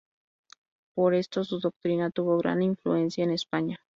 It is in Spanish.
Por esto, su doctrina tuvo gran influencia en España.